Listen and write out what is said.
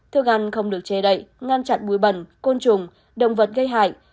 thức ăn không được chê đậy ngăn chặn bùi bẩn côn trùng động vật gây hại